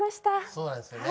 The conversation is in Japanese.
そうなんですよね。